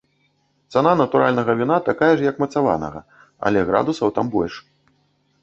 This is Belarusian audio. Цана натуральнага віна такая ж, як мацаванага, але градусаў там больш.